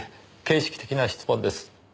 形式的な質問です。